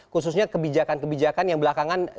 khususnya kebijakan kebijakan yang belakangan